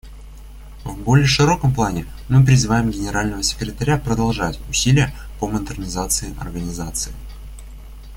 В более широком плане, мы призываем Генерального секретаря продолжать усилия по модернизации Организации.